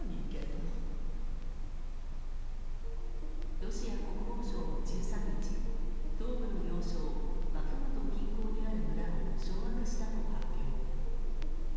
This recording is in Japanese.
ロシア国防省は１３日東部の要衝バフムト近郊にある村を掌握したと発表。